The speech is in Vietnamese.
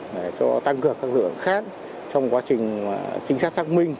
để cho tăng cường các lực lượng khác trong quá trình trinh sát xác minh